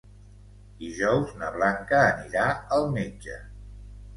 Dijous na Blanca anirà al metge.